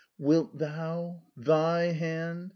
'Wilt THOU?' 'THY hand'!"